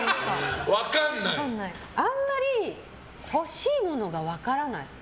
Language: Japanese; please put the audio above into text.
あんまり欲しいものが分からない。